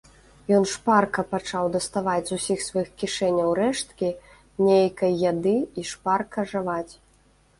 Ён шпарка пачаў даставаць з усіх сваіх кішэняў рэшткі нейкай яды і шпарка жаваць.